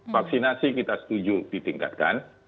vaksinasi kita setuju ditingkatkan